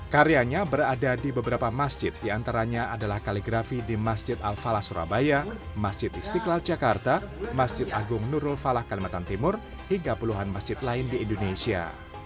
karyanya berada di beberapa masjid diantaranya adalah kaligrafi di masjid al falah surabaya masjid istiqlal jakarta masjid agung nurul falah kalimantan timur hingga puluhan masjid lain di indonesia